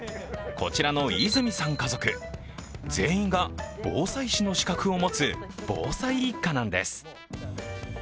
こちらの出水さん家族、全員が防災士の資格を持つ防災一家なんです。